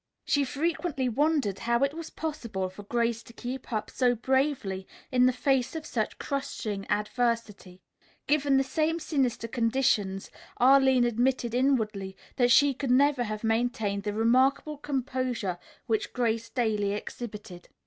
She frequently wondered how it was possible for Grace to keep up so bravely in the face of such crushing adversity. Given the same sinister conditions, Arline admitted inwardly that she could never have maintained the remarkable composure which Grace daily exhibited.